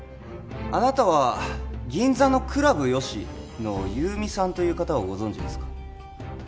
あなたは銀座のクラブ予詩のゆう実さんという方はご存じですか？